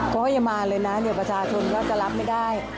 เขาก็จะมาเลยนะเดี๋ยวประชาชนก็จะรับไม่ได้